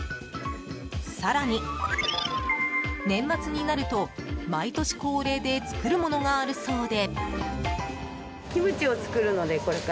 更に、年末になると毎年恒例で作るものがあるそうで。